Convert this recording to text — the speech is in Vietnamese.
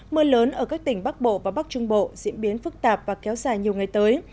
mưa lớn ở các tỉnh bắc bộ và bắc trung bộ diễn biến phức tạp và kéo dài nhiều ngày tới